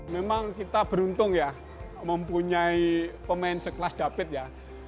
memang kita beruntung ya mempunyai pemain sekelas david ya